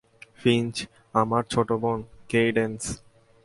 Finch, আমার ছোট বোন, কেইডেন্স।